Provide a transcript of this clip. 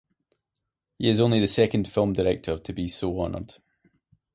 He is only the second film director to be so honoured.